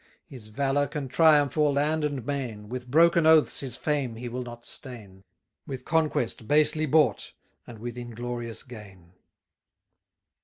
His valour can triumph o'er land and main; With broken oaths his fame he will not stain; With conquest basely bought, and with inglorious gain.